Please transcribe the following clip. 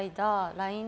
ＬＩＮＥ